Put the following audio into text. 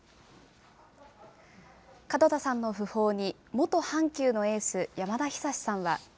門田さんの訃報に、元阪急のエース、山田久志さんは。